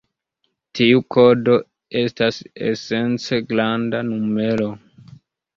Tiu kodo estas esence granda numero.